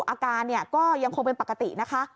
อาการก็ยังคงเป็นปกตินะคะ